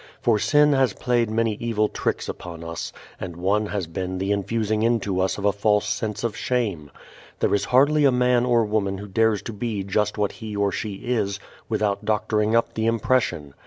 For sin has played many evil tricks upon us, and one has been the infusing into us a false sense of shame. There is hardly a man or woman who dares to be just what he or she is without doctoring up the impression.